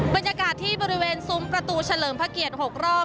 บรรยากาศที่บริเวณซุ้มประตูเฉลิมพระเกียรติ๖รอบ